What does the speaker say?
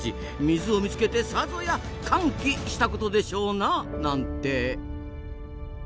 水を見つけてさぞや「歓喜」したことでしょうな。なんて。